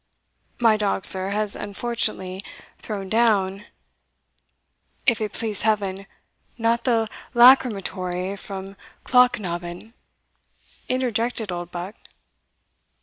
"My dog, sir, has unfortunately thrown down" "If it please Heaven, not the lachrymatory from Clochnaben!" interjected Oldbuck.